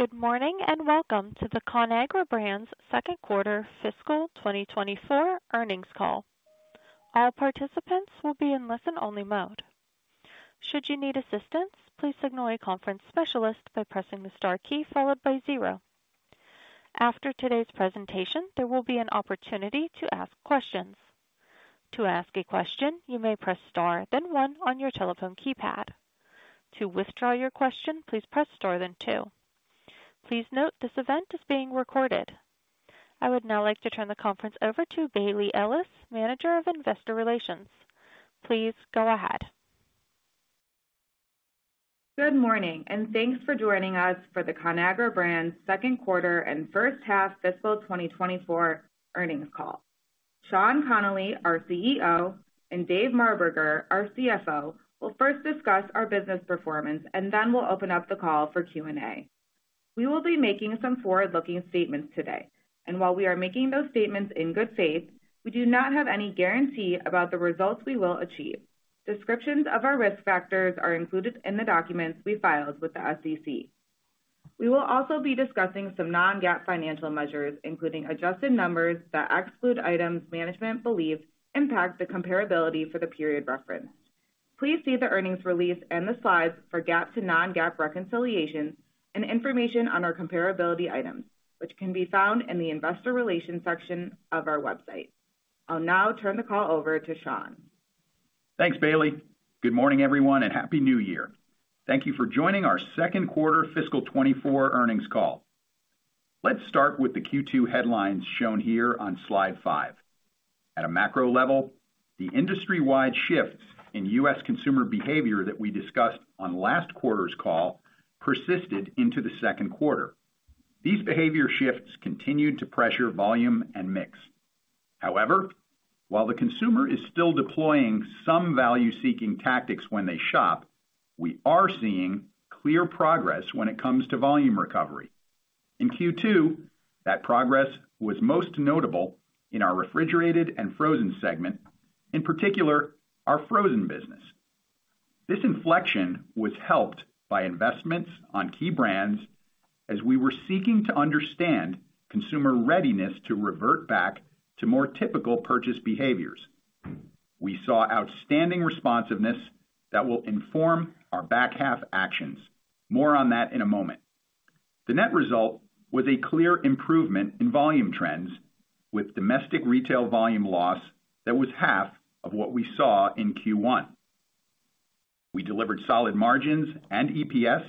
Good morning, and welcome to the Conagra Brands second quarter fiscal 2024 earnings call. All participants will be in listen-only mode. Should you need assistance, please signal a conference specialist by pressing the star key followed by zero. After today's presentation, there will be an opportunity to ask questions. To ask a question, you may press star, then one on your telephone keypad. To withdraw your question, please press star then two. Please note, this event is being recorded. I would now like to turn the conference over to Bayle Ellis, Manager of Investor Relations. Please go ahead. Good morning, and thanks for joining us for the Conagra Brands second quarter and first half fiscal 2024 earnings call. Sean Connolly, our CEO, and Dave Marberger, our CFO, will first discuss our business performance and then we'll open up the call for Q&A. We will be making some forward-looking statements today, and while we are making those statements in good faith, we do not have any guarantee about the results we will achieve. Descriptions of our risk factors are included in the documents we filed with the SEC. We will also be discussing some non-GAAP financial measures, including adjusted numbers that exclude items management believes impact the comparability for the period referenced. Please see the earnings release and the slides for GAAP to non-GAAP reconciliations and information on our comparability items, which can be found in the Investor Relations section of our website. I'll now turn the call over to Sean. Thanks, Bayle. Good morning, everyone, and happy New Year. Thank you for joining our second quarter fiscal 2024 earnings call. Let's start with the Q2 headlines shown here on slide five. At a macro level, the industry-wide shifts in U.S. consumer behavior that we discussed on last quarter's call persisted into the second quarter. These behavior shifts continued to pressure, volume, and mix. However, while the consumer is still deploying some value-seeking tactics when they shop, we are seeing clear progress when it comes to volume recovery. In Q2, that progress was most notable in our refrigerated and frozen segment, in particular, our frozen business. This inflection was helped by investments on key brands as we were seeking to understand consumer readiness to revert back to more typical purchase behaviors. We saw outstanding responsiveness that will inform our back half actions. More on that in a moment. The net result was a clear improvement in volume trends with domestic retail volume loss that was half of what we saw in Q1. We delivered solid margins and EPS,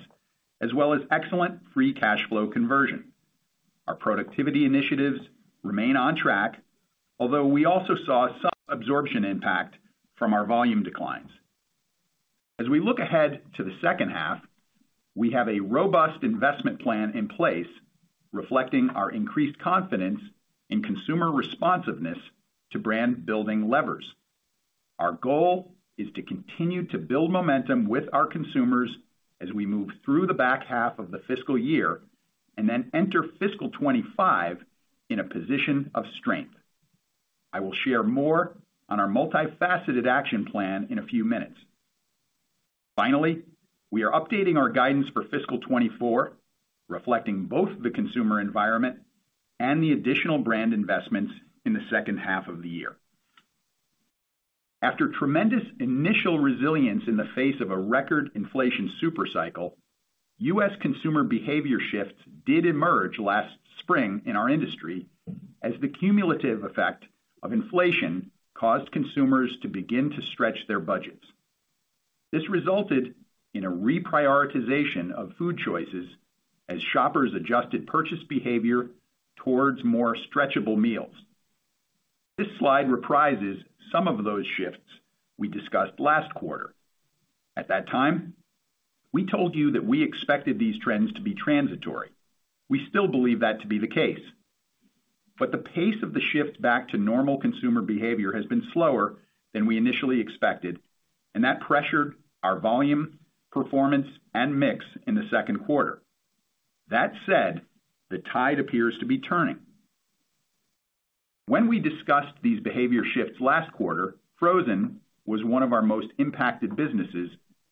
as well as excellent free cash flow conversion. Our productivity initiatives remain on track, although we also saw some absorption impact from our volume declines. As we look ahead to the second half, we have a robust investment plan in place, reflecting our increased confidence in consumer responsiveness to brand building levers. Our goal is to continue to build momentum with our consumers as we move through the back half of the fiscal year and then enter fiscal 2025 in a position of strength. I will share more on our multifaceted action plan in a few minutes. Finally, we are updating our guidance for fiscal 2024, reflecting both the consumer environment and the additional brand investments in the second half of the year. After tremendous initial resilience in the face of a record inflation super cycle, U.S. consumer behavior shifts did emerge last spring in our industry as the cumulative effect of inflation caused consumers to begin to stretch their budgets. This resulted in a reprioritization of food choices as shoppers adjusted purchase behavior towards more stretchable meals. This slide reprises some of those shifts we discussed last quarter. At that time, we told you that we expected these trends to be transitory. We still believe that to be the case, but the pace of the shift back to normal consumer behavior has been slower than we initially expected, and that pressured our volume, performance, and mix in the second quarter. That said, the tide appears to be turning. When we discussed these behavior shifts last quarter, frozen was one of our most impacted businesses,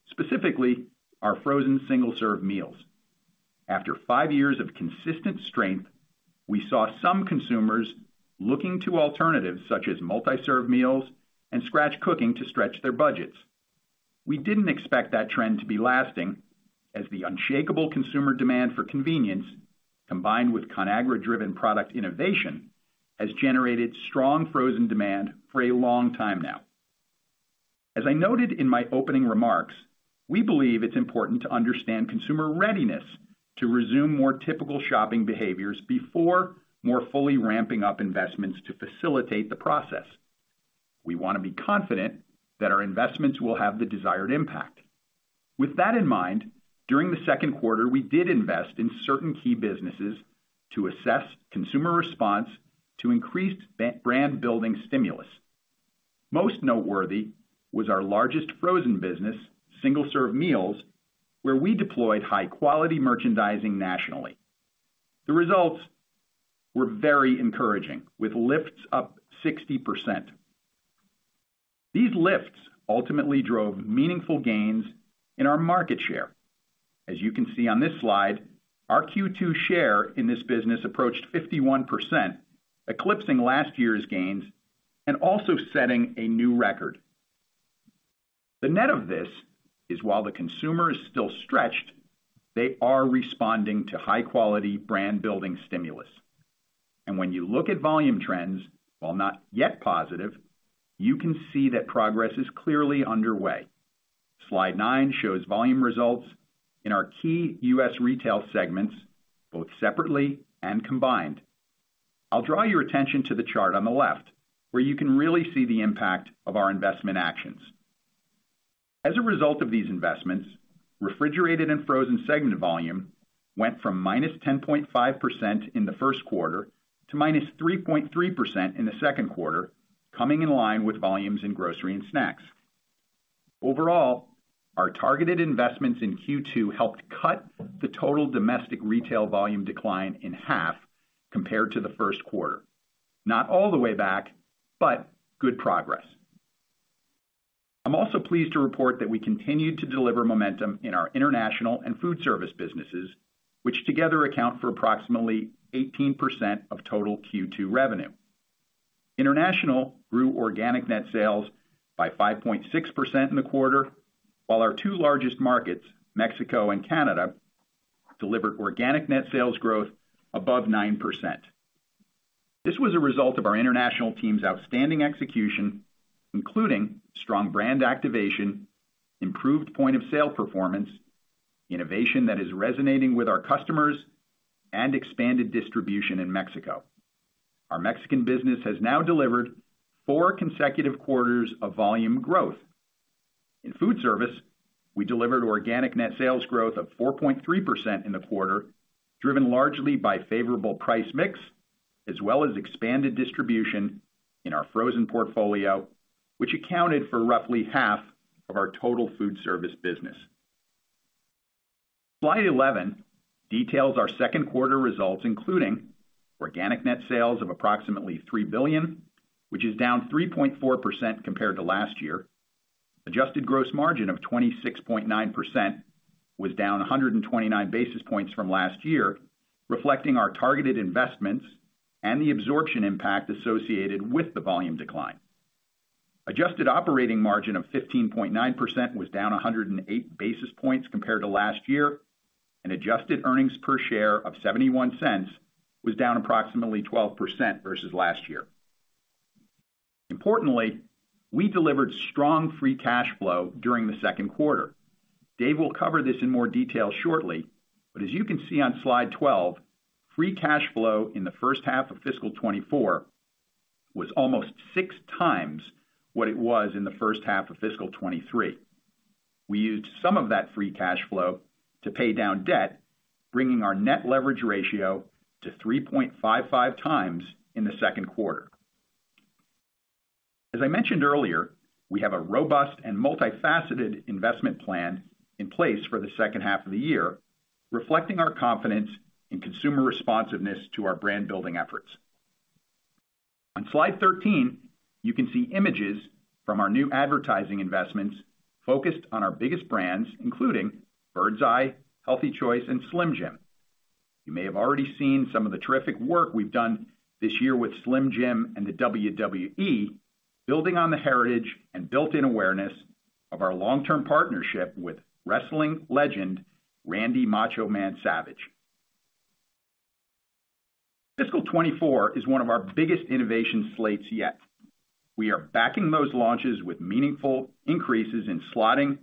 specifically our frozen single-serve meals. After five years of consistent strength, we saw some consumers looking to alternatives such as multi-serve meals and scratch cooking to stretch their budgets. We didn't expect that trend to be lasting, as the unshakable consumer demand for convenience, combined with Conagra driven product innovation, has generated strong frozen demand for a long time now. As I noted in my opening remarks, we believe it's important to understand consumer readiness to resume more typical shopping behaviors before more fully ramping up investments to facilitate the process. We want to be confident that our investments will have the desired impact. With that in mind, during the second quarter, we did invest in certain key businesses to assess consumer response to increased brand building stimulus. Most noteworthy was our largest frozen business, single-serve meals, where we deployed high-quality merchandising nationally. The results were very encouraging, with lifts up 60%. These lifts ultimately drove meaningful gains in our market share. As you can see on this slide, our Q2 share in this business approached 51%, eclipsing last year's gains and also setting a new record. The net of this is, while the consumer is still stretched, they are responding to high-quality brand building stimulus. And when you look at volume trends, while not yet positive, you can see that progress is clearly underway. Slide nine shows volume results in our key U.S. retail segments, both separately and combined. I'll draw your attention to the chart on the left, where you can really see the impact of our investment actions. As a result of these investments, refrigerated and frozen segment volume went from -10.5% in the first quarter to -3.3% in the second quarter, coming in line with volumes in grocery and snacks. Overall, our targeted investments in Q2 helped cut the total domestic retail volume decline in half compared to the first quarter. Not all the way back, but good progress. I'm also pleased to report that we continued to deliver momentum in our international and food service businesses, which together account for approximately 18% of total Q2 revenue. International grew organic net sales by 5.6% in the quarter, while our two largest markets, Mexico and Canada, delivered organic net sales growth above 9%. This was a result of our international team's outstanding execution, including strong brand activation, improved point of sale performance, innovation that is resonating with our customers, and expanded distribution in Mexico. Our Mexican business has now delivered four consecutive quarters of volume growth. In food service, we delivered organic net sales growth of 4.3% in the quarter, driven largely by favorable price mix, as well as expanded distribution in our frozen portfolio, which accounted for roughly half of our total food service business. Slide 11 details our second quarter results, including organic net sales of approximately $3 billion, which is down 3.4% compared to last year. Adjusted gross margin of 26.9% was down 129 basis points from last year, reflecting our targeted investments and the absorption impact associated with the volume decline. Adjusted operating margin of 15.9% was down 108 basis points compared to last year, and adjusted earnings per share of $0.71 was down approximately 12% versus last year. Importantly, we delivered strong free cash flow during the second quarter. Dave will cover this in more detail shortly, but as you can see on slide 12, free cash flow in the first half of fiscal 2024 was almost 6 times what it was in the first half of fiscal 2023. We used some of that free cash flow to pay down debt, bringing our net leverage ratio to 3.55 times in the second quarter. As I mentioned earlier, we have a robust and multifaceted investment plan in place for the second half of the year, reflecting our confidence in consumer responsiveness to our brand building efforts. On slide 13, you can see images from our new advertising investments focused on our biggest brands, including Birds Eye, Healthy Choice, and Slim Jim. You may have already seen some of the terrific work we've done this year with Slim Jim and the WWE, building on the heritage and built-in awareness of our long-term partnership with wrestling legend, Randy "Macho Man" Savage. Fiscal 2024 is one of our biggest innovation slates yet. We are backing those launches with meaningful increases in slotting,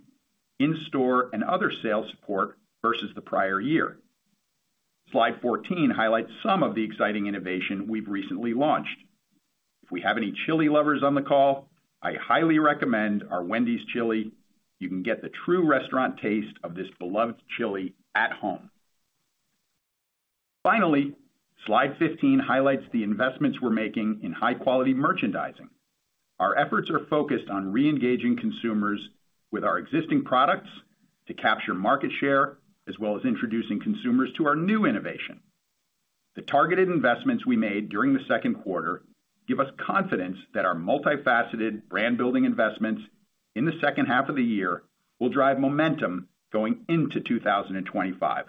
in-store, and other sales support versus the prior year. Slide 14 highlights some of the exciting innovation we've recently launched. If we have any chili lovers on the call, I highly recommend our Wendy's Chili. You can get the true restaurant taste of this beloved chili at home. Finally, slide 15 highlights the investments we're making in high-quality merchandising. Our efforts are focused on reengaging consumers with our existing products to capture market share, as well as introducing consumers to our new innovation. The targeted investments we made during the second quarter give us confidence that our multifaceted brand building investments in the second half of the year will drive momentum going into 2025.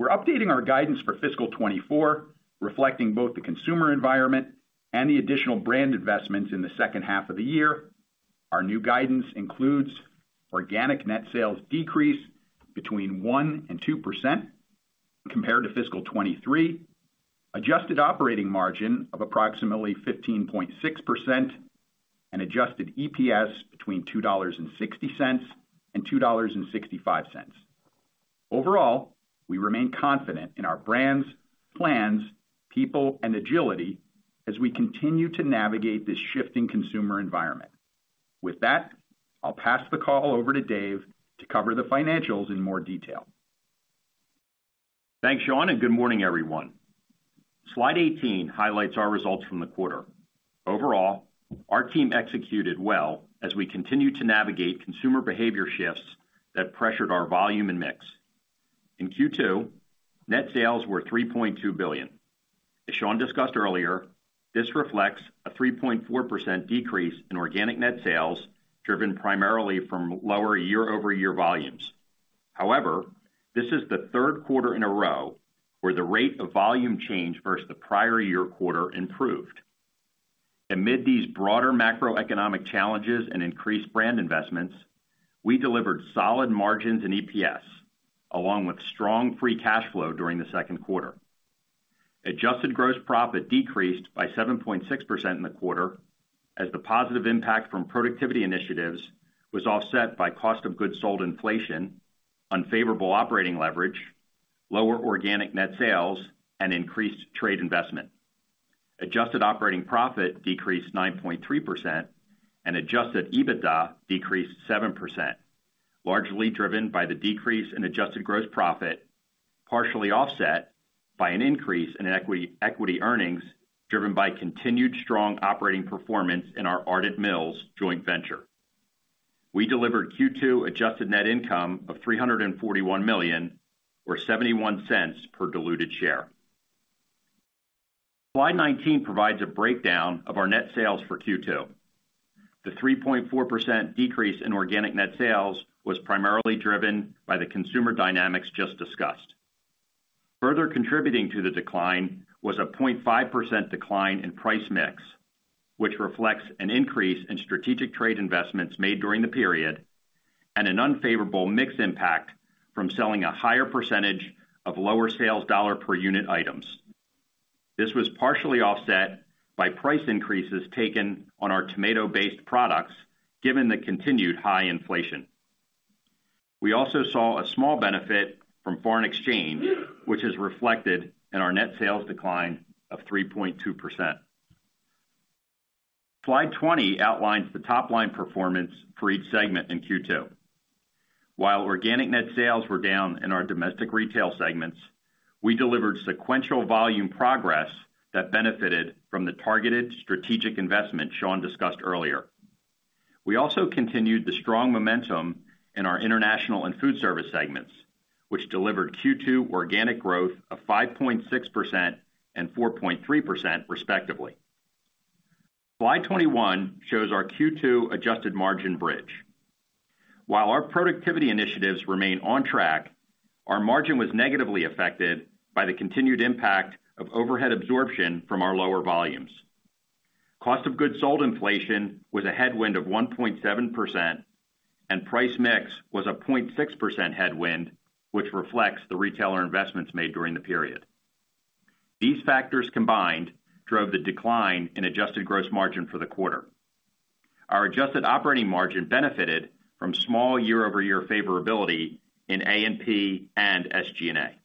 We're updating our guidance for fiscal 2024, reflecting both the consumer environment and the additional brand investments in the second half of the year. Our new guidance includes organic net sales decrease between 1% and 2% compared to fiscal 2023, adjusted operating margin of approximately 15.6%, and adjusted EPS between $2.60 and 2.65. Overall, we remain confident in our brands, plans, people, and agility as we continue to navigate this shifting consumer environment. With that, I'll pass the call over to Dave to cover the financials in more detail. Thanks, Sean, and good morning, everyone. Slide 18 highlights our results from the quarter. Overall, our team executed well as we continued to navigate consumer behavior shifts that pressured our volume and mix. In Q2, net sales were $3.2 billion. As Sean discussed earlier, this reflects a 3.4% decrease in organic net sales, driven primarily from lower year-over-year volumes. However, this is the third quarter in a row where the rate of volume change versus the prior year quarter improved. Amid these broader macroeconomic challenges and increased brand investments, we delivered solid margins in EPS, along with strong free cash flow during the second quarter. Adjusted gross profit decreased by 7.6% in the quarter, as the positive impact from productivity initiatives was offset by cost of goods sold inflation, unfavorable operating leverage, lower organic net sales, and increased trade investment. Adjusted operating profit decreased 9.3% and Adjusted EBITDA decreased 7%, largely driven by the decrease in adjusted gross profit, partially offset by an increase in equity earnings, driven by continued strong operating performance in our Ardent Mills joint venture. We delivered Q2 adjusted net income of $341 million, or $0.71 per diluted share. Slide 19 provides a breakdown of our net sales for Q2. The 3.4% decrease in organic net sales was primarily driven by the consumer dynamics just discussed. Further contributing to the decline was a 0.5% decline in price mix, which reflects an increase in strategic trade investments made during the period and an unfavorable mix impact from selling a higher percentage of lower sales dollar per unit items. This was partially offset by price increases taken on our tomato-based products, given the continued high inflation. We also saw a small benefit from foreign exchange, which is reflected in our net sales decline of 3.2%. Slide 20 outlines the top-line performance for each segment in Q2. While organic net sales were down in our domestic retail segments, we delivered sequential volume progress that benefited from the targeted strategic investment Sean discussed earlier. We also continued the strong momentum in our international and food service segments, which delivered Q2 organic growth of 5.6% and 4.3% respectively. Slide 21 shows our Q2 adjusted margin bridge. While our productivity initiatives remain on track, our margin was negatively affected by the continued impact of overhead absorption from our lower volumes. Cost of goods sold inflation was a headwind of 1.7%, and price mix was a 0.6% headwind, which reflects the retailer investments made during the period. These factors combined drove the decline in adjusted gross margin for the quarter. Our adjusted operating margin benefited from small year-over-year favorability in A&P and SG&A.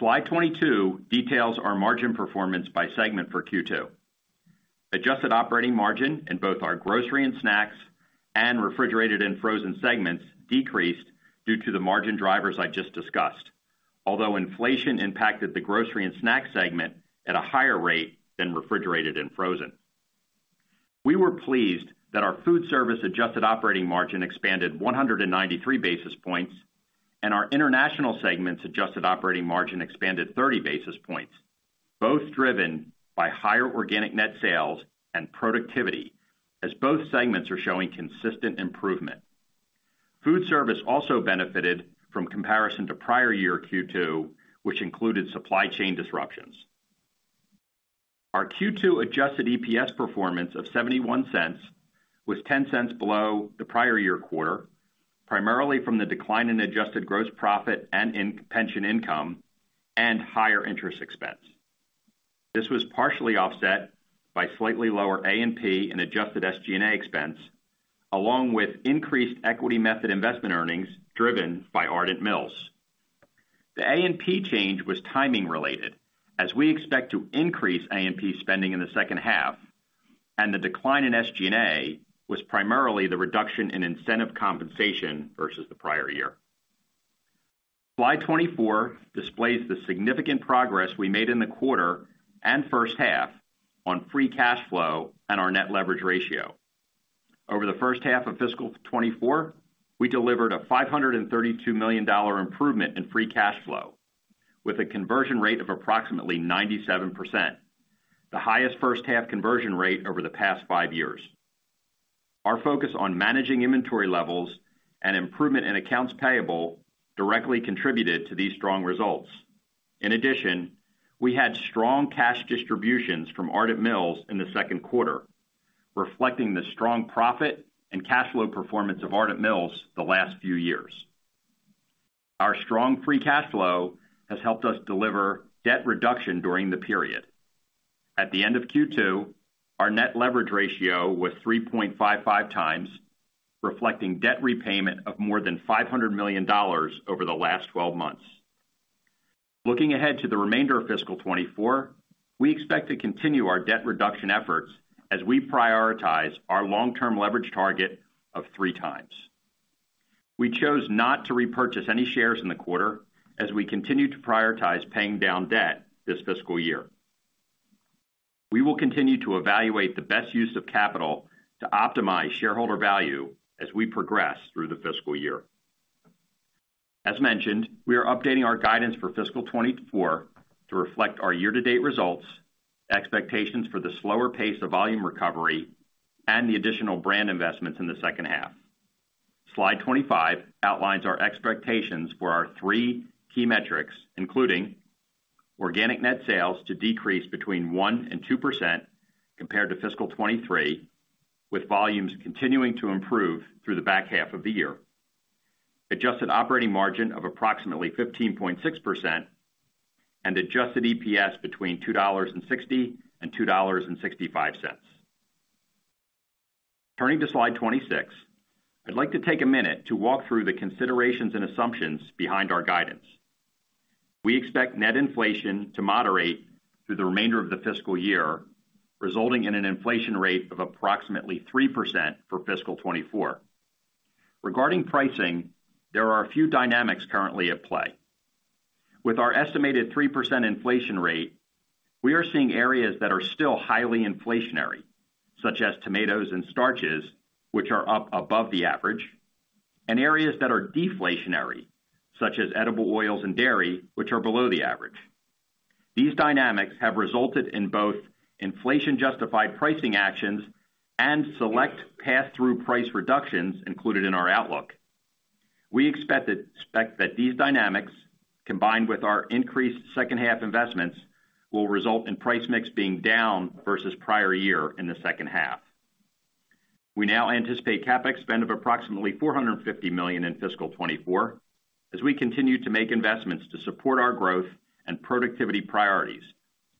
Slide 22 details our margin performance by segment for Q2. Adjusted operating margin in both our grocery and snacks and refrigerated and frozen segments decreased due to the margin drivers I just discussed, although inflation impacted the grocery and snack segment at a higher rate than refrigerated and frozen. We were pleased that our food service adjusted operating margin expanded 193 basis points, and our international segment's adjusted operating margin expanded 30 basis points, both driven by higher organic net sales and productivity, as both segments are showing consistent improvement. Food service also benefited from comparison to prior year Q2, which included supply chain disruptions. Our Q2 adjusted EPS performance of $0.71 was $0.10 below the prior year quarter, primarily from the decline in adjusted gross profit and pension income and higher interest expense. This was partially offset by slightly lower A&P and adjusted SG&A expense, along with increased equity method investment earnings driven by Ardent Mills. The A&P change was timing related, as we expect to increase A&P spending in the second half, and the decline in SG&A was primarily the reduction in incentive compensation versus the prior year. Slide 24 displays the significant progress we made in the quarter and first half on free cash flow and our net leverage ratio. Over the first half of fiscal 2024, we delivered a $532 million improvement in free cash flow, with a conversion rate of approximately 97%, the highest first half conversion rate over the past five years. Our focus on managing inventory levels and improvement in accounts payable directly contributed to these strong results. In addition, we had strong cash distributions from Ardent Mills in the second quarter, reflecting the strong profit and cash flow performance of Ardent Mills the last few years. Our strong free cash flow has helped us deliver debt reduction during the period. At the end of Q2, our net leverage ratio was 3.55 times, reflecting debt repayment of more than $500 million over the last 12 months. Looking ahead to the remainder of fiscal 2024, we expect to continue our debt reduction efforts as we prioritize our long-term leverage target of 3x. We chose not to repurchase any shares in the quarter as we continue to prioritize paying down debt this fiscal year. We will continue to evaluate the best use of capital to optimize shareholder value as we progress through the fiscal year. As mentioned, we are updating our guidance for fiscal 2024 to reflect our year-to-date results, expectations for the slower pace of volume recovery, and the additional brand investments in the second half. Slide 25 outlines our expectations for our three key metrics, including organic net sales to decrease between 1% and 2% compared to fiscal 2023, with volumes continuing to improve through the back half of the year. Adjusted Operating Margin of approximately 15.6% and adjusted EPS between $2.60 and 2.65. Turning to slide 26, I'd like to take a minute to walk through the considerations and assumptions behind our guidance. We expect net inflation to moderate through the remainder of the fiscal year, resulting in an inflation rate of approximately 3% for fiscal 2024. Regarding pricing, there are a few dynamics currently at play. With our estimated 3% inflation rate, we are seeing areas that are still highly inflationary, such as tomatoes and starches, which are up above the average, and areas that are deflationary, such as edible oils and dairy, which are below the average. These dynamics have resulted in both inflation-justified pricing actions and select pass-through price reductions included in our outlook. We expect that these dynamics, combined with our increased second half investments, will result in price mix being down versus prior year in the second half. We now anticipate CapEx spend of approximately $450 million in fiscal 2024 as we continue to make investments to support our growth and productivity priorities,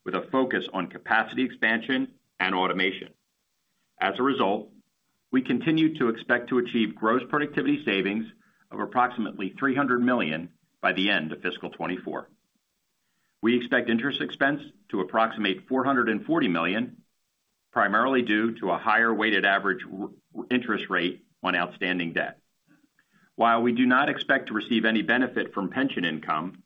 with a focus on capacity expansion and automation. As a result, we continue to expect to achieve gross productivity savings of approximately $300 million by the end of fiscal 2024. We expect interest expense to approximate $440 million, primarily due to a higher weighted average interest rate on outstanding debt. While we do not expect to receive any benefit from pension income,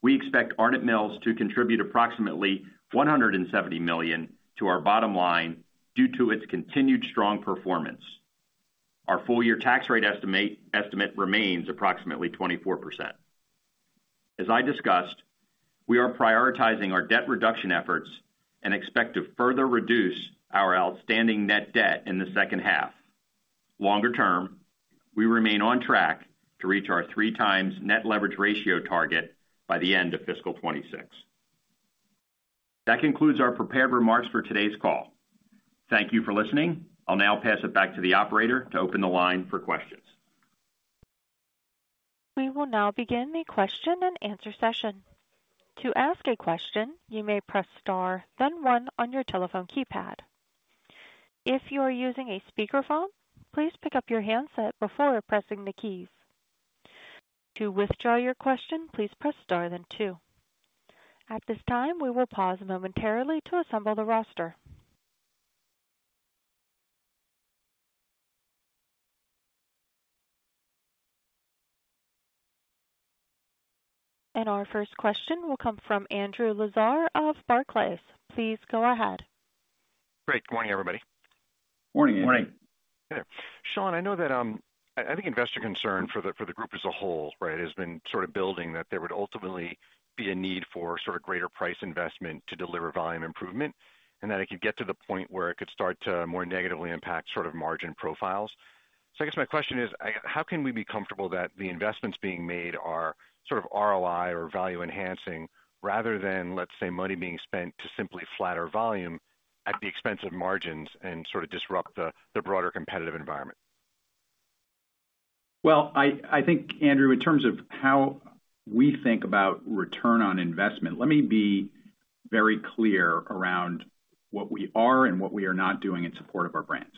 we expect Ardent Mills to contribute approximately $170 million to our bottom line due to its continued strong performance. Our full-year tax rate estimate remains approximately 24%. As I discussed, we are prioritizing our debt reduction efforts and expect to further reduce our outstanding net debt in the second half. Longer term, we remain on track to reach our 3x net leverage ratio target by the end of fiscal 2026. That concludes our prepared remarks for today's call. Thank you for listening. I'll now pass it back to the operator to open the line for questions. We will now begin the question-and-answer session. To ask a question, you may press star, then one on your telephone keypad. If you are using a speakerphone, please pick up your handset before pressing the keys. To withdraw your question, please press star, then two. At this time, we will pause momentarily to assemble the roster. Our first question will come from Andrew Lazar of Barclays. Please go ahead. Great. Good morning, everybody. Morning. Morning. Sean, I know that I think investor concern for the group as a whole, right, has been sort of building, that there would ultimately be a need for sort of greater price investment to deliver volume improvement, and that it could get to the point where it could start to more negatively impact sort of margin profiles. So I guess my question is, how can we be comfortable that the investments being made are sort of ROI or value enhancing, rather than, let's say, money being spent to simply flatter volume at the expense of margins and sort of disrupt the broader competitive environment? Well, I think, Andrew, in terms of how we think about return on investment, let me be very clear around what we are and what we are not doing in support of our brands.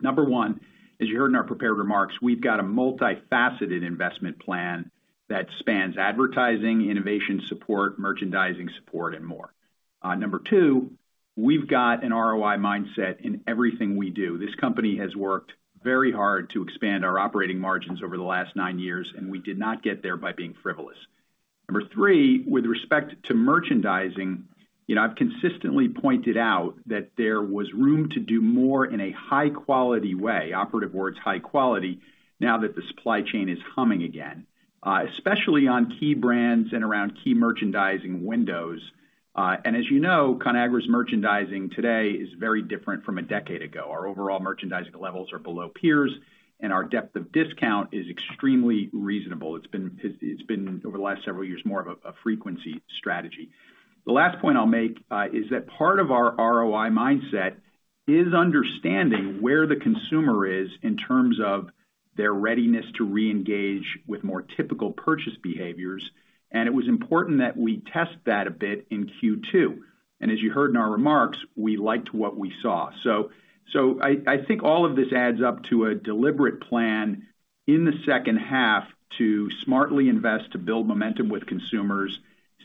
Number one, as you heard in our prepared remarks, we've got a multifaceted investment plan that spans advertising, innovation support, merchandising support, and more. Number two, we've got an ROI mindset in everything we do. This company has worked very hard to expand our operating margins over the last nine years, and we did not get there by being frivolous. Number three, with respect to merchandising, you know, I've consistently pointed out that there was room to do more in a high-quality way, operative words, high quality, now that the supply chain is humming again, especially on key brands and around key merchandising windows. And as you know, Conagra's merchandising today is very different from a decade ago. Our overall merchandising levels are below peers, and our depth of discount is extremely reasonable. It's been over the last several years more of a frequency strategy. The last point I'll make is that part of our ROI mindset is understanding where the consumer is in terms of their readiness to reengage with more typical purchase behaviors, and it was important that we test that a bit in Q2. And as you heard in our remarks, we liked what we saw. So I think all of this adds up to a deliberate plan in the second half to smartly invest, to build momentum with consumers,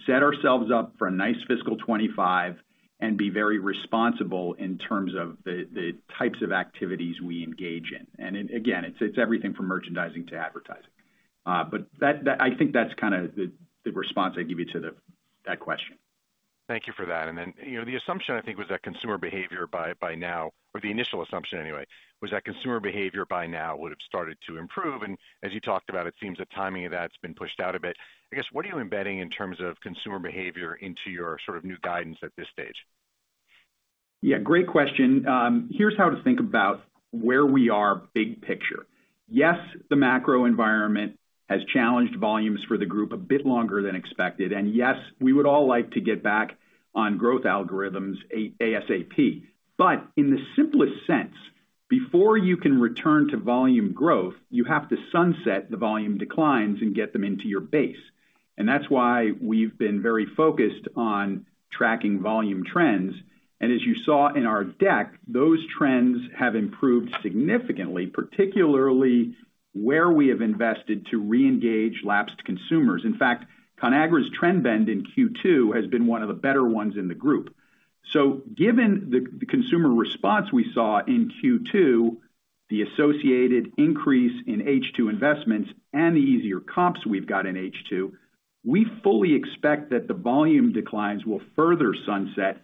set ourselves up for a nice fiscal 2025, and be very responsible in terms of the types of activities we engage in. And again, it's everything from merchandising to advertising. But that, I think that's kind of the response I'd give you to that question. Thank you for that. Then, you know, the assumption, I think, was that consumer behavior by now, or the initial assumption anyway, was that consumer behavior by now would have started to improve, and as you talked about, it seems the timing of that's been pushed out a bit. I guess, what are you embedding in terms of consumer behavior into your sort of new guidance at this stage? Yeah, great question. Here's how to think about where we are, big picture. Yes, the macro environment has challenged volumes for the group a bit longer than expected, and yes, we would all like to get back on growth algorithms ASAP. But in the simplest sense, before you can return to volume growth, you have to sunset the volume declines and get them into your base. And that's why we've been very focused on tracking volume trends. And as you saw in our deck, those trends have improved significantly, particularly where we have invested to reengage lapsed consumers. In fact, Conagra's trend bend in Q2 has been one of the better ones in the group. So given the consumer response we saw in Q2, the associated increase in H2 investments and the easier comps we've got in H2, we fully expect that the volume declines will further sunset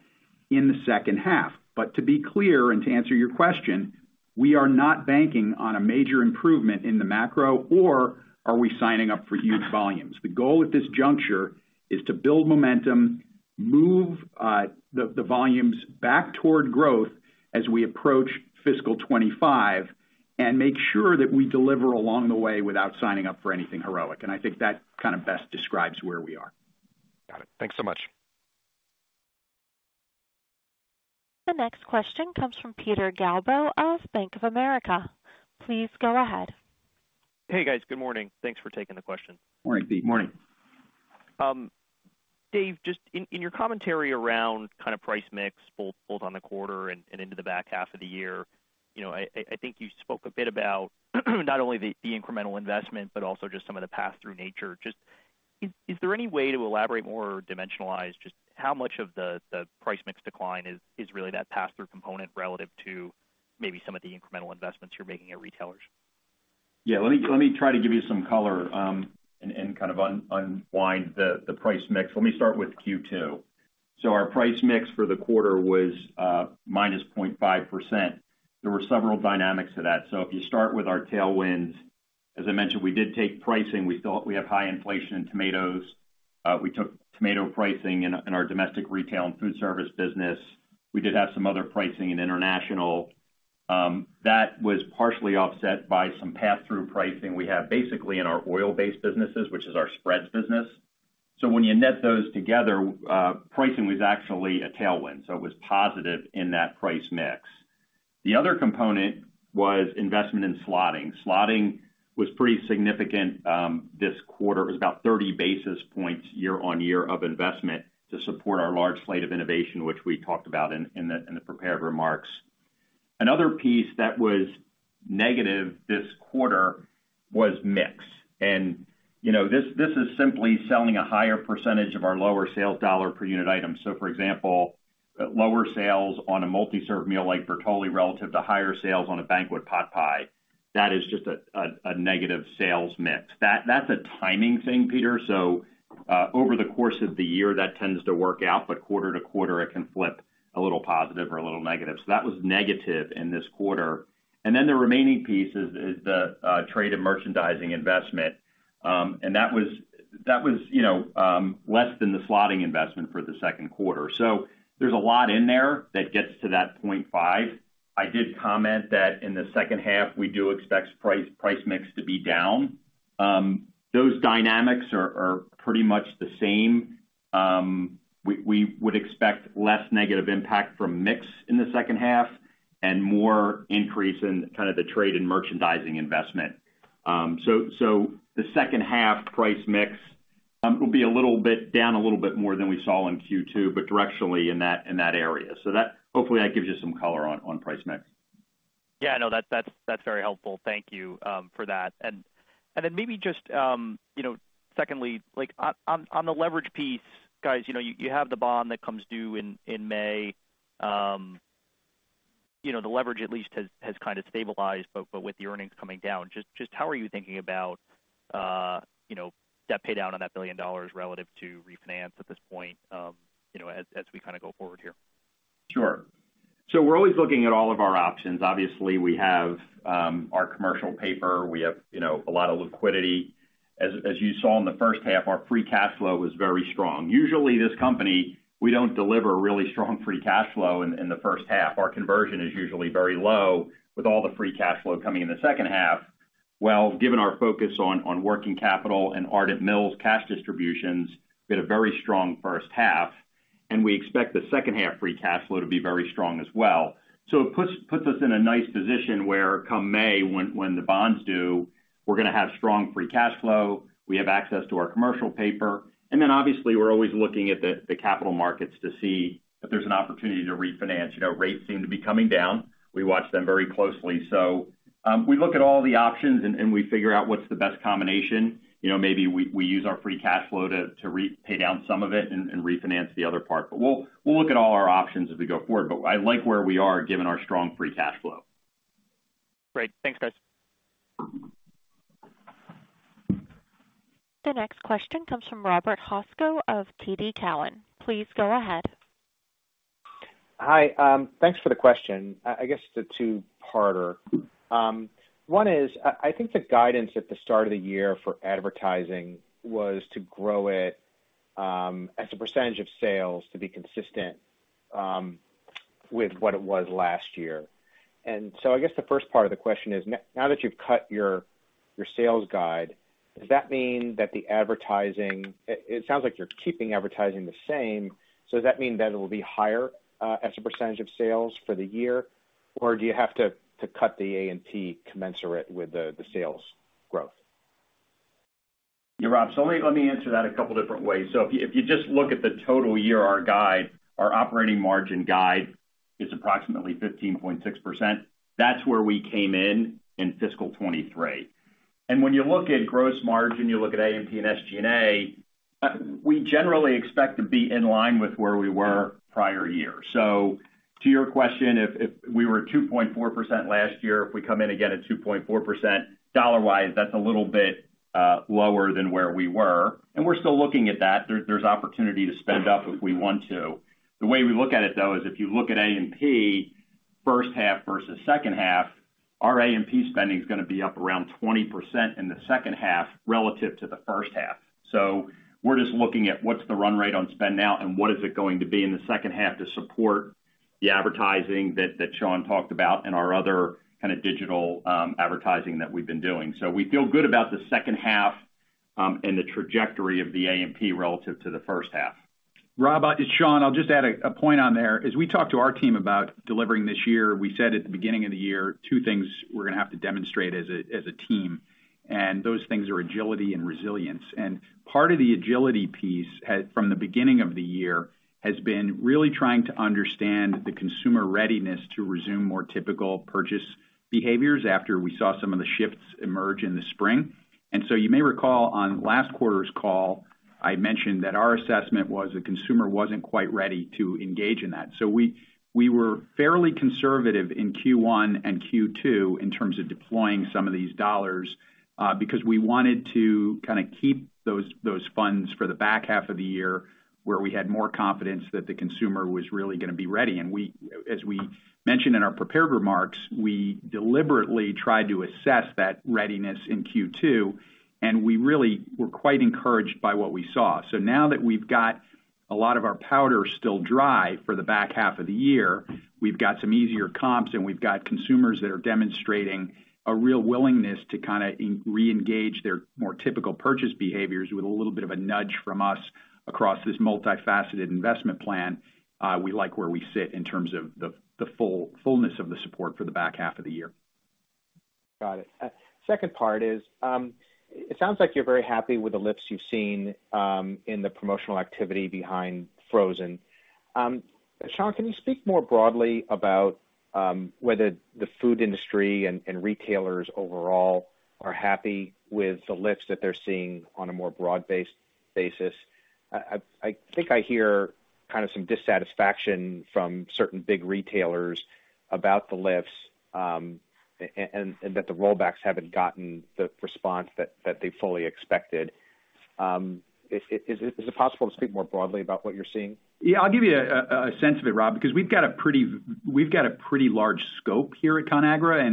in the second half. But to be clear, and to answer your question, we are not banking on a major improvement in the macro, or are we signing up for huge volumes. The goal at this juncture is to build momentum, move the volumes back toward growth as we approach fiscal 2025, and make sure that we deliver along the way without signing up for anything heroic. And I think that kind of best describes where we are. Got it. Thanks so much. The next question comes from Peter Galbo of Bank of America. Please go ahead. Hey, guys. Good morning. Thanks for taking the question. Morning, Pete. Morning. Dave, just in your commentary around kind of price mix, both on the quarter and into the back half of the year, you know, I think you spoke a bit about not only the incremental investment, but also just some of the pass-through nature. Just, is there any way to elaborate more or dimensionalize just how much of the price mix decline is really that pass-through component relative to maybe some of the incremental investments you're making at retailers? Yeah, let me try to give you some color, and kind of unwind the price mix. Let me start with Q2. So our price mix for the quarter was -0.5%. There were several dynamics to that. So if you start with our tailwinds, as I mentioned, we did take pricing. We thought we have high inflation in tomatoes. We took tomato pricing in our domestic retail and food service business. We did have some other pricing in international. That was partially offset by some pass-through pricing we have basically in our oil-based businesses, which is our spreads business. So when you net those together, pricing was actually a tailwind, so it was positive in that price mix. The other component was investment in slotting. Slotting was pretty significant this quarter. It was about 30 basis points year-on-year of investment to support our large slate of innovation, which we talked about in the prepared remarks. Another piece that was negative this quarter was mix. And, you know, this is simply selling a higher percentage of our lower sales dollar per unit item. So for example, lower sales on a multi-serve meal like Bertolli, relative to higher sales on a Banquet pot pie. That is just a negative sales mix. That's a timing thing, Peter. So, over the course of the year, that tends to work out, but quarter to quarter, it can flip a little positive or a little negative. So that was negative in this quarter. And then the remaining piece is the trade and merchandising investment. And that was, you know, less than the slotting investment for the second quarter. So there's a lot in there that gets to that 0.5. I did comment that in the second half, we do expect price mix to be down. Those dynamics are pretty much the same. We would expect less negative impact from mix in the second half and more increase in kind of the trade and merchandising investment. So the second half price mix will be a little bit down, a little bit more than we saw in Q2, but directionally in that area. So that hopefully that gives you some color on price mix. Yeah, no, that's very helpful. Thank you for that. And then maybe just, you know, secondly, like on the leverage piece, guys, you know, you have the bond that comes due in May. You know, the leverage at least has kind of stabilized, but with the earnings coming down, just how are you thinking about, you know, debt paydown on that $1 billion relative to refinance at this point, you know, as we kind of go forward here? Sure. So we're always looking at all of our options. Obviously, we have our commercial paper. We have, you know, a lot of liquidity. As you saw in the first half, our Free Cash Flow was very strong. Usually, this company, we don't deliver really strong Free Cash Flow in the first half. Our conversion is usually very low, with all the Free Cash Flow coming in the second half. Well, given our focus on working capital and Ardent Mills cash distributions, we had a very strong first half, and we expect the second half Free Cash Flow to be very strong as well. So it puts us in a nice position where come May, when the bonds due, we're gonna have strong Free Cash Flow, we have access to our commercial paper, and then obviously, we're always looking at the capital markets to see if there's an opportunity to refinance. You know, rates seem to be coming down. We watch them very closely. So, we look at all the options and we figure out what's the best combination. You know, maybe we use our Free Cash Flow to repay down some of it and refinance the other part. But we'll look at all our options as we go forward, but I like where we are given our strong free cash flow. Great. Thanks, guys. The next question comes from Robert Moskow of TD Cowen. Please go ahead. Hi, thanks for the question. I guess it's a two-parter. One is, I think the guidance at the start of the year for advertising was to grow it, as a percentage of sales to be consistent, with what it was last year. And so I guess the first part of the question is: Now that you've cut your sales guide, does that mean that the advertising, it sounds like you're keeping advertising the same, so does that mean that it will be higher, as a percentage of sales for the year? Or do you have to cut the A&P commensurate with the sales growth? Yeah, Rob, so let me, let me answer that a couple different ways. So if you, if you just look at the total year, our guide, our operating margin guide is approximately 15.6%. That's where we came in in fiscal 2023. And when you look at gross margin, you look at A&P and SG&A, we generally expect to be in line with where we were prior year. So to your question, if, if we were at 2.4% last year, if we come in again at 2.4%, dollar-wise, that's a little bit lower than where we were, and we're still looking at that. There's, there's opportunity to spend up if we want to. The way we look at it, though, is if you look at A&P, first half versus second half, our A&P spending is gonna be up around 20% in the second half relative to the first half. So we're just looking at what's the run rate on spend now and what is it going to be in the second half to support the advertising that, that Sean talked about and our other kinda digital, advertising that we've been doing. So we feel good about the second half, and the trajectory of the A&P relative to the first half. Rob, it's Sean. I'll just add a point on there. As we talked to our team about delivering this year, we said at the beginning of the year, two things we're gonna have to demonstrate as a team, and those things are agility and resilience. Part of the agility piece from the beginning of the year has been really trying to understand the consumer readiness to resume more typical purchase behaviors after we saw some of the shifts emerge in the spring. So you may recall on last quarter's call, I mentioned that our assessment was the consumer wasn't quite ready to engage in that. So we were fairly conservative in Q1 and Q2 in terms of deploying some of these dollars, because we wanted to kinda keep those funds for the back half of the year, where we had more confidence that the consumer was really gonna be ready. And we, as we mentioned in our prepared remarks, we deliberately tried to assess that readiness in Q2, and we really were quite encouraged by what we saw. So now that we've got a lot of our powder still dry for the back half of the year, we've got some easier comps, and we've got consumers that are demonstrating a real willingness to kinda reengage their more typical purchase behaviors with a little bit of a nudge from us across this multifaceted investment plan, we like where we sit in terms of the fullness of the support for the back half of the year. Got it. Second part is, it sounds like you're very happy with the lifts you've seen in the promotional activity behind Frozen. Sean, can you speak more broadly about whether the food industry and retailers overall are happy with the lifts that they're seeing on a more broad basis? I think I hear kind of some dissatisfaction from certain big retailers about the lifts and that the rollbacks haven't gotten the response that they fully expected. Is it possible to speak more broadly about what you're seeing? Yeah, I'll give you a sense of it, Rob, because we've got a pretty large scope here at Conagra,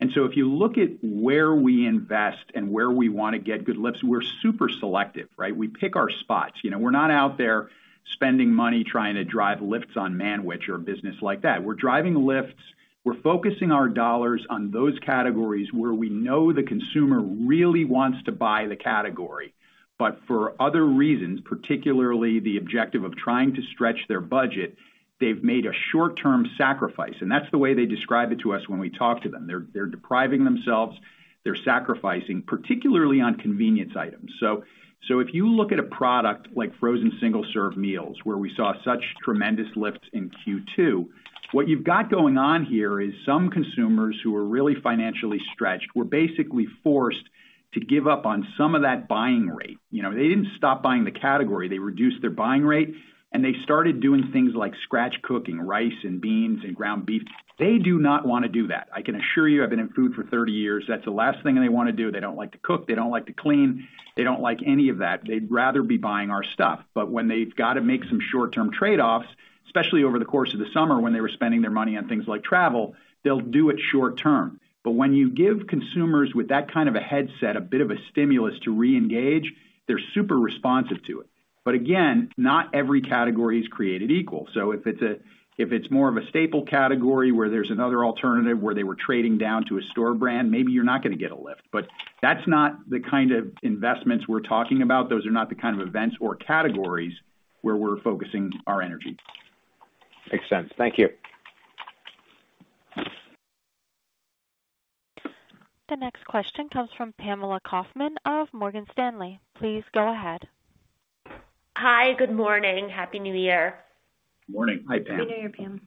and so if you look at where we invest and where we wanna get good lifts, we're super selective, right? We pick our spots. You know, we're not out there spending money trying to drive lifts on Manwich or business like that. We're driving lifts. We're focusing our dollars on those categories where we know the consumer really wants to buy the category, but for other reasons, particularly the objective of trying to stretch their budget, they've made a short-term sacrifice, and that's the way they describe it to us when we talk to them. They're depriving themselves, they're sacrificing, particularly on convenience items. So, if you look at a product like frozen single-serve meals, where we saw such tremendous lifts in Q2, what you've got going on here is some consumers who are really financially stretched, were basically forced to give up on some of that buying rate. You know, they didn't stop buying the category, they reduced their buying rate, and they started doing things like scratch cooking rice and beans and ground beef. They do not wanna do that. I can assure you, I've been in food for 30 years, that's the last thing they wanna do. They don't like to cook, they don't like to clean, they don't like any of that. They'd rather be buying our stuff. But when they've got to make some short-term trade-offs, especially over the course of the summer, when they were spending their money on things like travel, they'll do it short term. But when you give consumers with that kind of a headset, a bit of a stimulus to reengage, they're super responsive to it. But again, not every category is created equal. So if it's more of a staple category, where there's another alternative, where they were trading down to a store brand, maybe you're not gonna get a lift. But that's not the kind of investments we're talking about. Those are not the kind of events or categories where we're focusing our energy. Makes sense. Thank you. The next question comes from Pamela Kaufman of Morgan Stanley. Please go ahead. Hi, good morning. Happy New Year. Good morning. Hi, Pam. Happy New Year, Pam.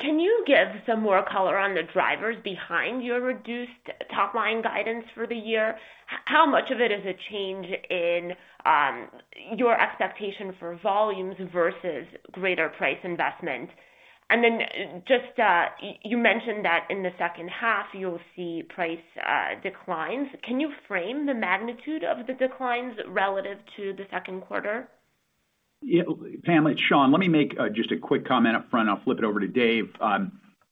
Can you give some more color on the drivers behind your reduced top-line guidance for the year? How much of it is a change in your expectation for volumes versus greater price investment. And then just, you mentioned that in the second half, you'll see price declines. Can you frame the magnitude of the declines relative to the second quarter? Yeah, Pamela, it's Sean. Let me make just a quick comment up front, I'll flip it over to Dave.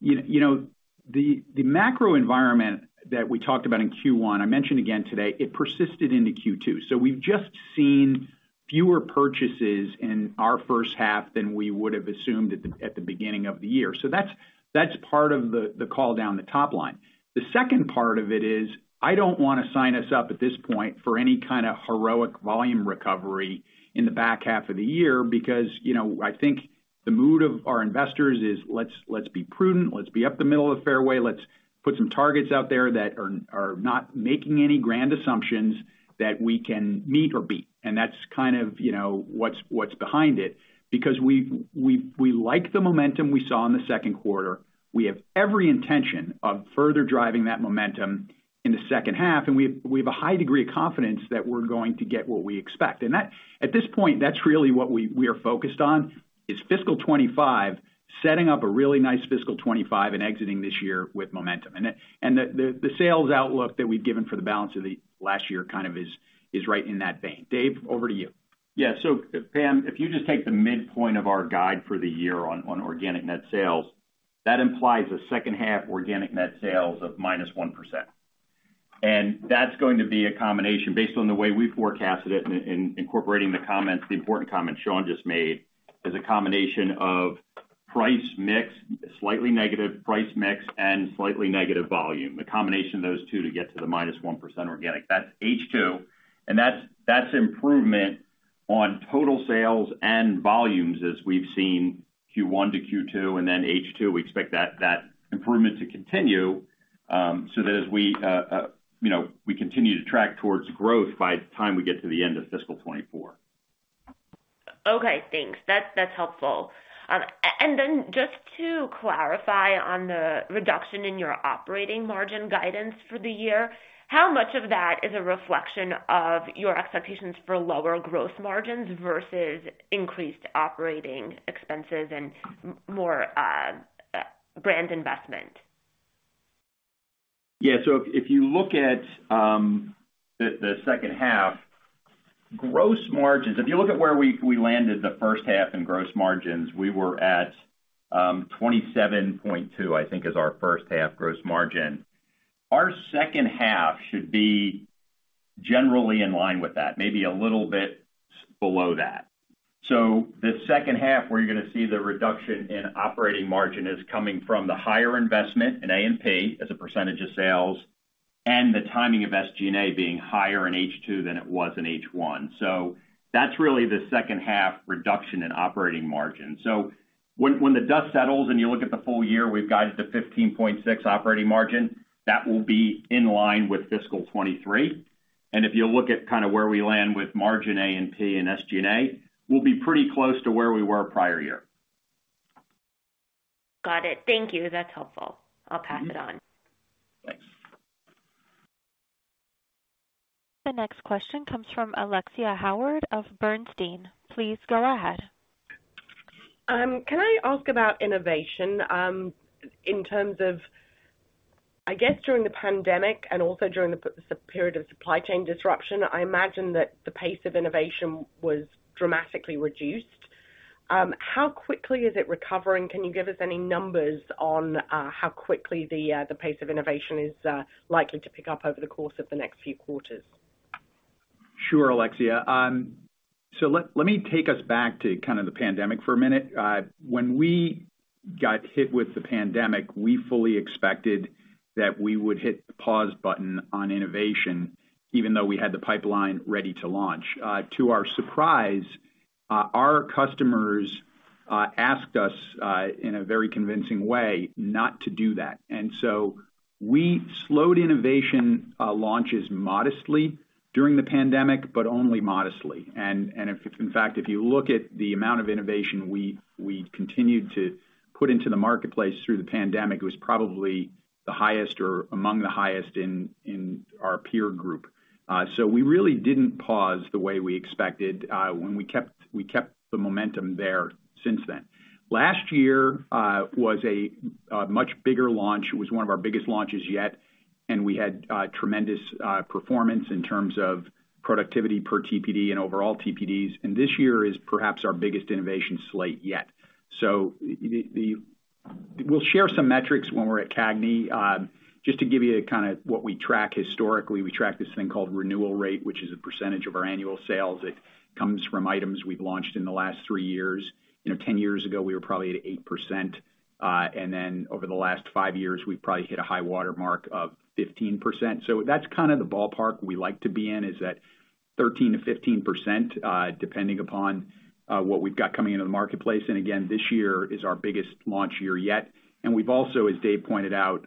You know, the macro environment that we talked about in Q1, I mentioned again today, it persisted into Q2. So we've just seen fewer purchases in our first half than we would have assumed at the beginning of the year. So that's part of the call down the top line. The second part of it is, I don't wanna sign us up at this point for any kind of heroic volume recovery in the back half of the year, because, you know, I think the mood of our investors is, let's, let's be prudent, let's be up the middle of the fairway. Let's put some targets out there that are, are not making any grand assumptions that we can meet or beat. And that's kind of, you know, what's, what's behind it. Because we like the momentum we saw in the second quarter. We have every intention of further driving that momentum in the second half, and we, we have a high degree of confidence that we're going to get what we expect. At this point, that's really what we are focused on: fiscal 2025, setting up a really nice fiscal 2025 and exiting this year with momentum. The sales outlook that we've given for the balance of the last year kind of is right in that vein. Dave, over to you. Yeah. So, Pam, if you just take the midpoint of our guide for the year on organic net sales, that implies a second half organic net sales of -1%. And that's going to be a combination based on the way we forecasted it and incorporating the comments, the important comments Sean just made, is a combination of price mix, slightly negative price mix, and slightly negative volume. The combination of those two to get to the -1% organic. That's H2, and that's improvement on total sales and volumes as we've seen Q1 to Q2 and then H2. We expect that improvement to continue, so that as we, you know, we continue to track towards growth by the time we get to the end of fiscal 2024. Okay, thanks. That's helpful. And then just to clarify on the reduction in your operating margin guidance for the year, how much of that is a reflection of your expectations for lower gross margins versus increased operating expenses and more brand investment? Yeah, so if you look at the second half, gross margins, if you look at where we landed the first half in gross margins, we were at 27.2, I think, is our first half gross margin. Our second half should be generally in line with that, maybe a little bit below that. So the second half, where you're gonna see the reduction in operating margin, is coming from the higher investment in A&P, as a percentage of sales, and the timing of SG&A being higher in H2 than it was in H1. So that's really the second half reduction in operating margin. So when the dust settles and you look at the full year, we've guided to 15.6 operating margin, that will be in line with fiscal 2023. And if you look at kind of where we land with margin, A&P and SG&A, we'll be pretty close to where we were prior year. Got it. Thank you. That's helpful. I'll pass it on. Thanks. The next question comes from Alexia Howard of AllianceBernstein. Please go ahead. Can I ask about innovation, in terms of... I guess during the pandemic and also during the period of supply chain disruption, I imagine that the pace of innovation was dramatically reduced. How quickly is it recovering? Can you give us any numbers on how quickly the pace of innovation is likely to pick up over the course of the next few quarters? Sure, Alexia. So let me take us back to kind of the pandemic for a minute. When we got hit with the pandemic, we fully expected that we would hit the pause button on innovation, even though we had the pipeline ready to launch. To our surprise, our customers asked us, in a very convincing way, not to do that. And so we slowed innovation launches modestly during the pandemic, but only modestly. And if, in fact, if you look at the amount of innovation we continued to put into the marketplace through the pandemic, it was probably the highest or among the highest in our peer group. So we really didn't pause the way we expected, when we kept the momentum there since then. Last year was a much bigger launch. It was one of our biggest launches yet, and we had tremendous performance in terms of productivity per TPD and overall TPDs. And this year is perhaps our biggest innovation slate yet. So the... We'll share some metrics when we're at CAGNY. Just to give you a kind of what we track historically, we track this thing called renewal rate, which is a percentage of our annual sales. It comes from items we've launched in the last three years. You know, 10 years ago, we were probably at 8%, and then over the last five years, we've probably hit a high water mark of 15%. So that's kind of the ballpark we like to be in, is that 13%-15%, depending upon what we've got coming into the marketplace. And again, this year is our biggest launch year yet. And we've also, as Dave pointed out,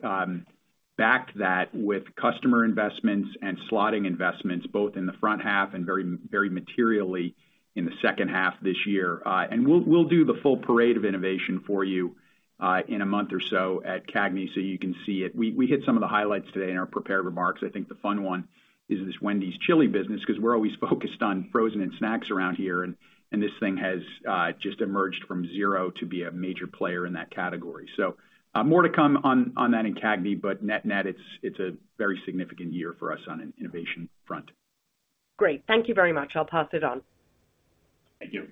back that with customer investments and slotting investments, both in the front half and very, very materially in the second half this year. We'll do the full parade of innovation for you in a month or so at CAGNY, so you can see it. We hit some of the highlights today in our prepared remarks. I think the fun one is this Wendy's Chili business, 'cause we're always focused on frozen and snacks around here, and this thing has just emerged from zero to be a major player in that category. More to come on that in CAGNY, but net-net, it's a very significant year for us on an innovation front. Great. Thank you very much. I'll pass it on. Thank you.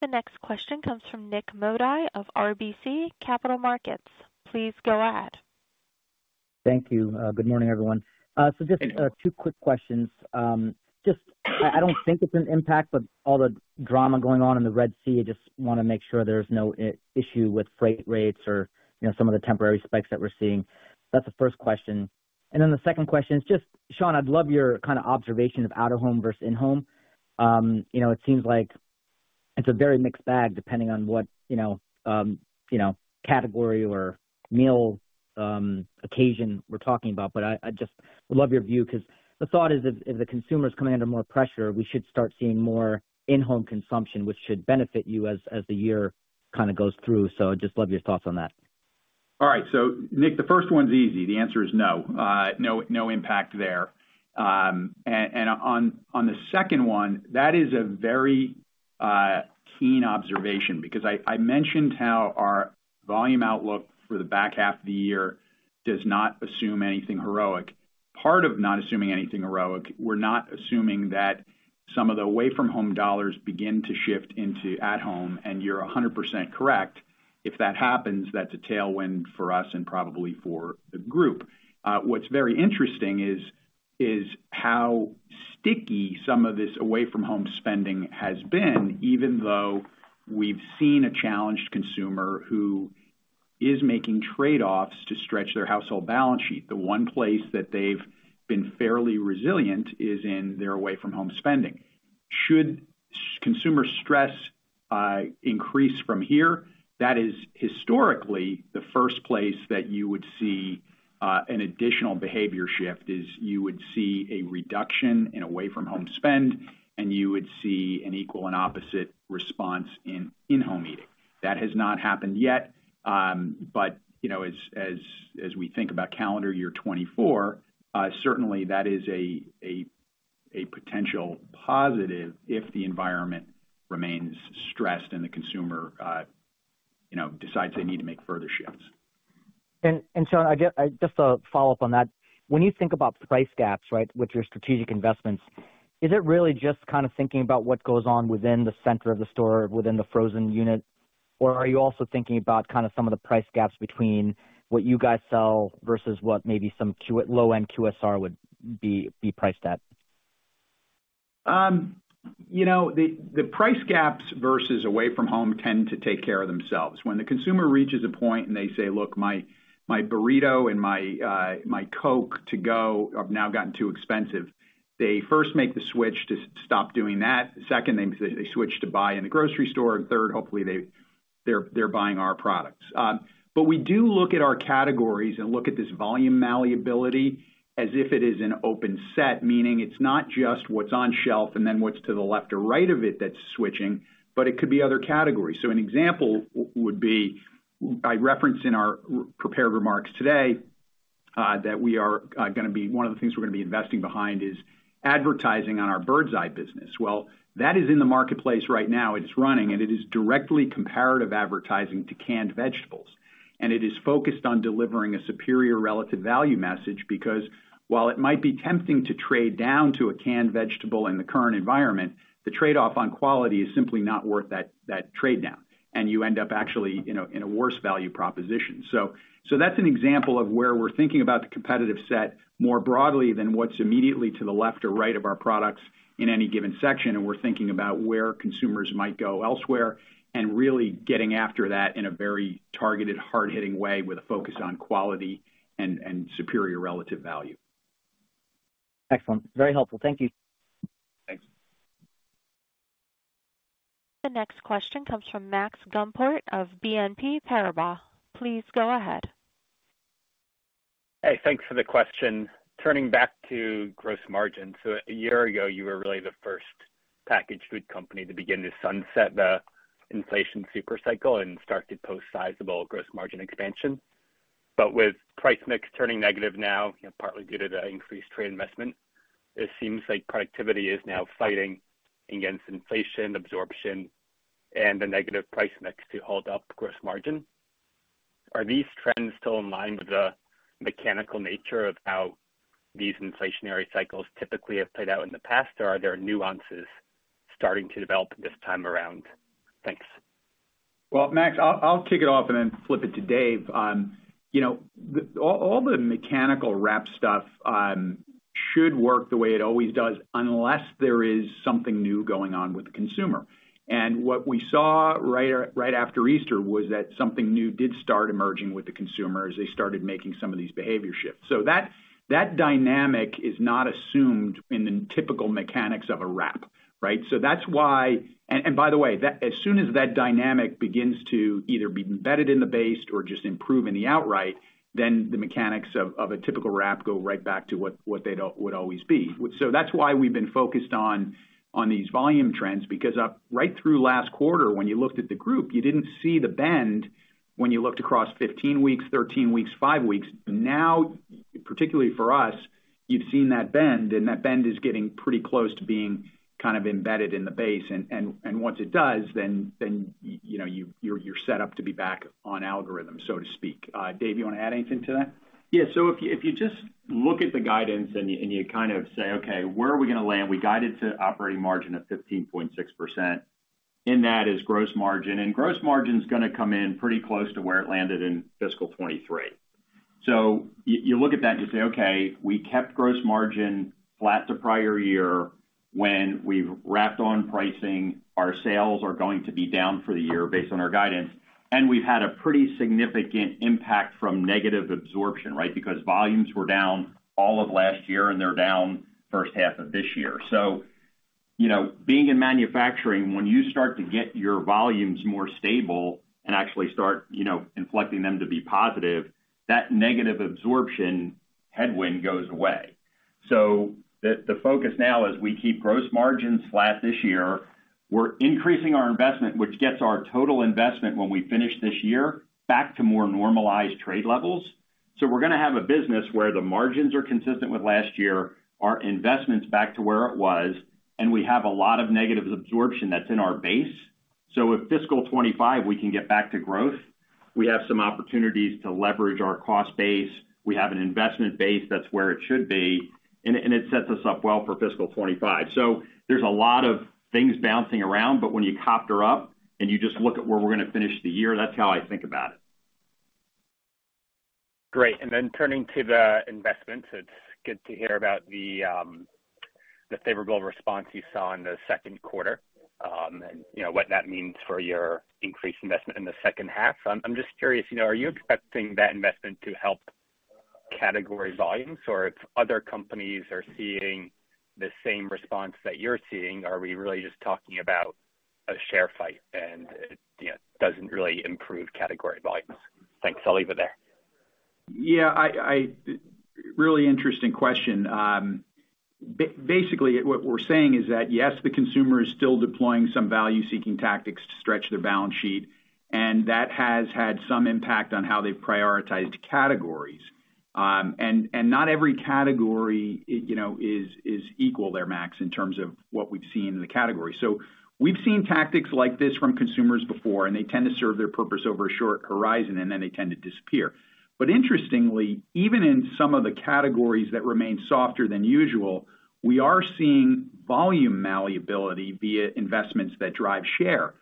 The next question comes from Nik Modi of RBC Capital Markets. Please go ahead. Thank you. Good morning, everyone. So just two quick questions. Just I don't think it's an impact, but all the drama going on in the Red Sea, just wanna make sure there's no issue with freight rates or, you know, some of the temporary spikes that we're seeing. That's the first question. And then the second question is just, Sean, I'd love your kind of observation of out-of-home versus in-home. You know, it seems like it's a very mixed bag, depending on what, you know, category or meal occasion we're talking about. But I just would love your view, 'cause the thought is if the consumer is coming under more pressure, we should start seeing more in-home consumption, which should benefit you as the year kinda goes through. So just love your thoughts on that? All right. So Nik, the first one's easy. The answer is no. No, no impact there. And on the second one, that is a very keen observation, because I mentioned how our volume outlook for the back half of the year does not assume anything heroic. Part of not assuming anything heroic, we're not assuming that some of the away from home dollars begin to shift into at home, and you're 100% correct. If that happens, that's a tailwind for us and probably for the group. What's very interesting is how sticky some of this away from home spending has been, even though we've seen a challenged consumer who is making trade-offs to stretch their household balance sheet. The one place that they've been fairly resilient is in their away from home spending. Should consumer stress increase from here, that is historically the first place that you would see an additional behavior shift: you would see a reduction in away from home spend, and you would see an equal and opposite response in in-home eating. That has not happened yet, but, you know, as we think about calendar year 2024, certainly that is a potential positive if the environment remains stressed and the consumer, you know, decides they need to make further shifts. So I just to follow up on that, when you think about price gaps, right, with your strategic investments, is it really just kind of thinking about what goes on within the center of the store, within the frozen unit? Or are you also thinking about kind of some of the price gaps between what you guys sell versus what maybe some quick low-end QSR would be priced at? You know, the price gaps versus away from home tend to take care of themselves. When the consumer reaches a point, and they say, "Look, my burrito and my Coke to go have now gotten too expensive," they first make the switch to stop doing that. Second, they switch to buy in a grocery store, and third, hopefully, they're buying our products. But we do look at our categories and look at this volume malleability as if it is an open set, meaning it's not just what's on shelf and then what's to the left or right of it that's switching, but it could be other categories. So an example would be, I referenced in our prepared remarks today, that we are gonna be one of the things we're gonna be investing behind is advertising on our Birds Eye business. Well, that is in the marketplace right now. It's running, and it is directly comparative advertising to canned vegetables. And it is focused on delivering a superior relative value message, because while it might be tempting to trade down to a canned vegetable in the current environment, the trade-off on quality is simply not worth that, that trade-down, and you end up actually, you know, in a worse value proposition. So, so that's an example of where we're thinking about the competitive set more broadly than what's immediately to the left or right of our products in any given section, and we're thinking about where consumers might go elsewhere and really getting after that in a very targeted, hard-hitting way with a focus on quality and, and superior relative value. Excellent. Very helpful. Thank you. Thanks. The next question comes from Max Gumport of BNP Paribas. Please go ahead. Hey, thanks for the question. Turning back to gross margin, so a year ago, you were really the first packaged food company to begin to sunset the inflation super cycle and start to post sizable gross margin expansion. But with price mix turning negative now, partly due to the increased trade investment, it seems like productivity is now fighting against inflation, absorption, and the negative price mix to hold up gross margin. Are these trends still in line with the mechanical nature of how these inflationary cycles typically have played out in the past, or are there nuances starting to develop this time around? Thanks. Well, Max, I'll kick it off and then flip it to Dave. You know, all the mechanical wrap stuff should work the way it always does, unless there is something new going on with the consumer. And what we saw right after Easter was that something new did start emerging with the consumer as they started making some of these behavior shifts. So that dynamic is not assumed in the typical mechanics of a wrap, right? So that's why, and by the way, as soon as that dynamic begins to either be embedded in the base or just improve in the outright, then the mechanics of a typical wrap go right back to what they would always be. So that's why we've been focused on these volume trends, because right through last quarter, when you looked at the group, you didn't see the bend when you looked across 15 weeks, 13 weeks, 5 weeks. Now, particularly for us, you've seen that bend, and that bend is getting pretty close to being kind of embedded in the base. And once it does, then you know, you're set up to be back on algorithm, so to speak. Dave, you want to add anything to that? Yeah. So if you, if you just look at the guidance and you, and you kind of say, "Okay, where are we gonna land?" We guided to operating margin of 15.6%. In that is gross margin, and gross margin is gonna come in pretty close to where it landed in fiscal 2023. So you, you look at that and you say, "Okay, we kept gross margin flat to prior year when we've wrapped on pricing. Our sales are going to be down for the year based on our guidance, and we've had a pretty significant impact from negative absorption," right? Because volumes were down all of last year, and they're down first half of this year. So, you know, being in manufacturing, when you start to get your volumes more stable and actually start, you know, inflecting them to be positive, that negative absorption headwind goes away. So the focus now is we keep gross margins flat this year. We're increasing our investment, which gets our total investment when we finish this year, back to more normalized trade levels. So we're gonna have a business where the margins are consistent with last year, our investment's back to where it was, and we have a lot of negative absorption that's in our base. So if fiscal 2025, we can get back to growth, we have some opportunities to leverage our cost base. We have an investment base, that's where it should be, and it sets us up well for fiscal 2025. So there's a lot of things bouncing around, but when you helicopter up and you just look at where we're gonna finish the year, that's how I think about it. Great. And then turning to the investments, it's good to hear about the favorable response you saw in the second quarter, and you know, what that means for your increased investment in the second half. I'm just curious, you know, are you expecting that investment to help category volumes? Or if other companies are seeing the same response that you're seeing, are we really just talking about a share fight and it, you know, doesn't really improve category volumes? Thanks. I'll leave it there. Yeah, really interesting question. Basically, what we're saying is that, yes, the consumer is still deploying some value-seeking tactics to stretch their balance sheet, and that has had some impact on how they've prioritized categories. And not every category, you know, is equal there, Max, in terms of what we've seen in the category. So we've seen tactics like this from consumers before, and they tend to serve their purpose over a short horizon, and then they tend to disappear. But interestingly, even in some of the categories that remain softer than usual, we are seeing volume malleability via investments that drive share.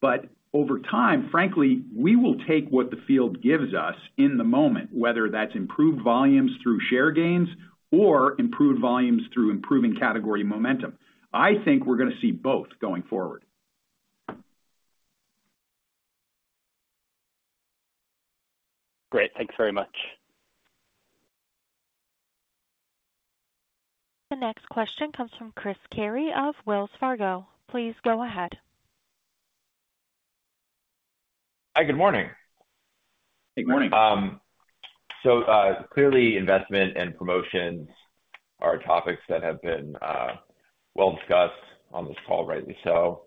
But over time, frankly, we will take what the field gives us in the moment, whether that's improved volumes through share gains or improved volumes through improving category momentum. I think we're gonna see both going forward. Great. Thanks very much. The next question comes from Chris Carey of Wells Fargo. Please go ahead. Hi, good morning. Good morning. So, clearly, investment and promotions are topics that have been, well discussed on this call, rightly so.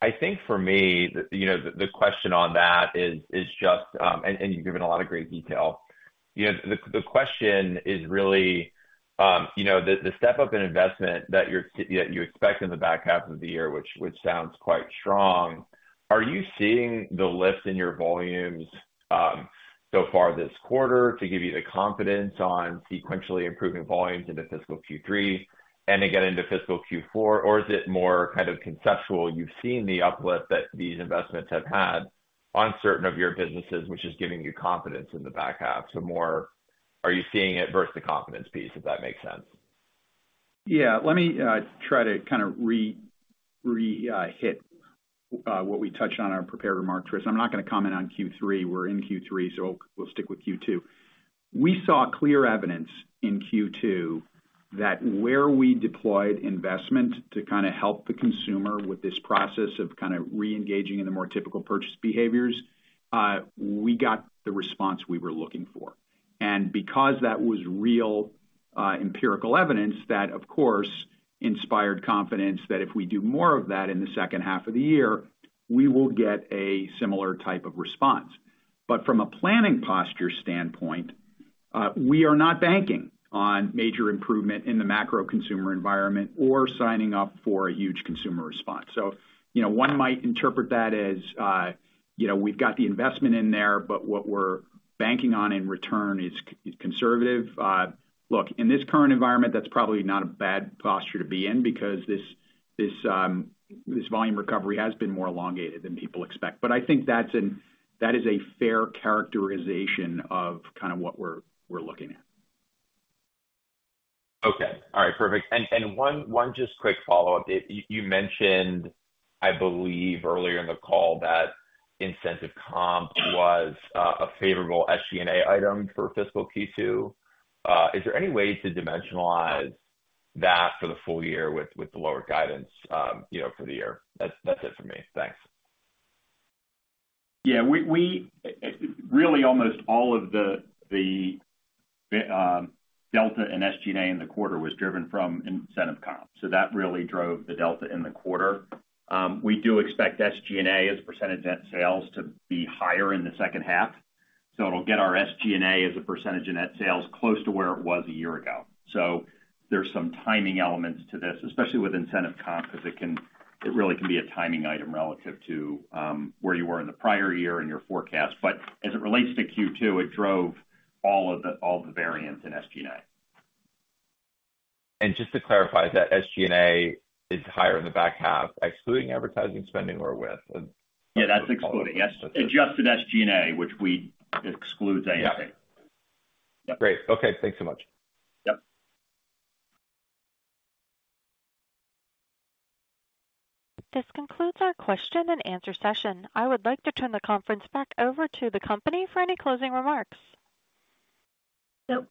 I think for me, you know, the question on that is just, and you've given a lot of great detail. You know, the question is really, you know, the step up in investment that you expect in the back half of the year, which sounds quite strong. Are you seeing the lift in your volumes so far this quarter to give you the confidence on sequentially improving volumes into fiscal Q3 and again into fiscal Q4? Or is it more kind of conceptual? You've seen the uplift that these investments have had on certain of your businesses, which is giving you confidence in the back half? So, more so are you seeing it versus the confidence piece, if that makes sense? Yeah. Let me try to kind of hit what we touched on our prepared remarks, Chris. I'm not gonna comment on Q3. We're in Q3, so we'll stick with Q2. We saw clear evidence in Q2 that where we deployed investment to kind of help the consumer with this process of kind of reengaging in the more typical purchase behaviors, we got the response we were looking for. And because that was real empirical evidence, that, of course, inspired confidence that if we do more of that in the second half of the year, we will get a similar type of response. But from a planning posture standpoint, we are not banking on major improvement in the macro consumer environment or signing up for a huge consumer response. You know, one might interpret that as, you know, we've got the investment in there, but what we're banking on in return is conservative. Look, in this current environment, that's probably not a bad posture to be in because this volume recovery has been more elongated than people expect. But I think that is a fair characterization of kind of what we're looking at. Okay. All right, perfect. And one just quick follow-up. You mentioned, I believe, earlier in the call that incentive comp was a favorable SG&A item for fiscal Q2. Is there any way to dimensionalize that for the full year with the lower guidance, you know, for the year? That's it for me. Thanks. Yeah, we really almost all of the delta in SG&A in the quarter was driven from incentive comp, so that really drove the delta in the quarter. We do expect SG&A as a percentage of net sales to be higher in the second half, so it'll get our SG&A as a percentage of net sales close to where it was a year ago. So there's some timing elements to this, especially with incentive comp, because it really can be a timing item relative to where you were in the prior year and your forecast. But as it relates to Q2, it drove all of the variance in SG&A. Just to clarify, that SG&A is higher in the back half, excluding advertising, spending, or width? Yeah, that's excluding. Yes. Adjusted SG&A, which we excludes A&P. Yeah. Yep. Great. Okay, thanks so much. Yep. This concludes our question and answer session. I would like to turn the conference back over to the company for any closing remarks.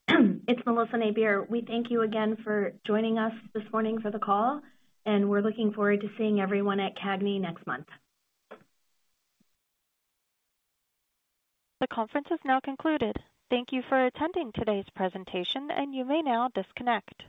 It's Melissa Napier. We thank you again for joining us this morning for the call, and we're looking forward to seeing everyone at CAGNY next month. The conference has now concluded. Thank you for attending today's presentation, and you may now disconnect.